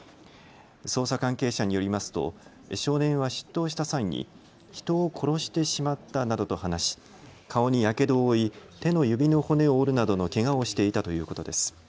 捜査関係者によりますと少年は出頭した際に人を殺してしまったなどと話し顔にやけどを負い手の指の骨を折るなどのけがをしていたということです。